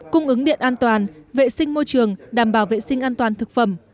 cung ứng điện an toàn vệ sinh môi trường đảm bảo vệ sinh an toàn thực phẩm